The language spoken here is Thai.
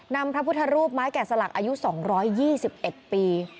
พระพุทธรูปไม้แก่สลักอายุ๒๒๑ปี